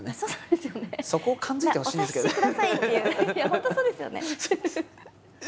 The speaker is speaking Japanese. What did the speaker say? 本当そうですよね。